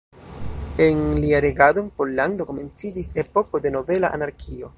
En lia regado en Pollando komenciĝis epoko de nobela anarkio.